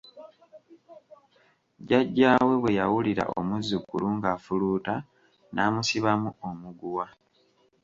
Jajja we bwe yawulira omuzzukulu ng’afuluuta n’amusibamu omuguwa,